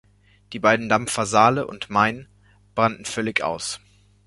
Die beiden Dampfer "Saale" und "Main" brannten völlig aus.